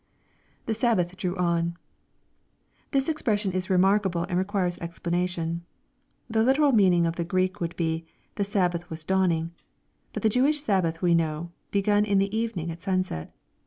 [The Sabbath drew on,] This expression is remarkable, and re quires explanation. The literal meaning of the Greek would be, *' The Sabbath was dawning." But the Jewish Sabbath we know begun in the evening at sunset.